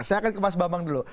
saya akan ke mas bambang dulu